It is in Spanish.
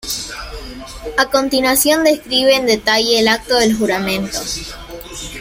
A continuación describe en detalle el acto del juramento.